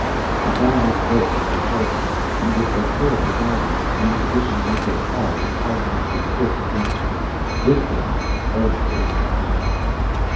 "I've got enough votes, as I told you. And with Lesseur presiding, the opposition won't get far with parliamentary tricks against me. This time, Earth's going to act."